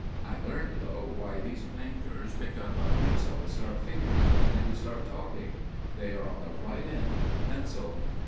I learned though, why these bankers pick up a pencil and start figuring the minute you start talking. They are on the right end of the pencil."